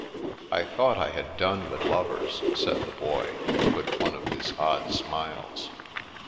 " I thought I had done with lovers," said the Boy, with one of his odd smiles.